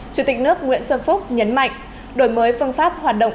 chủ tịch nước nguyễn xuân phúc nhấn mạnh đổi mới phương pháp hoạt động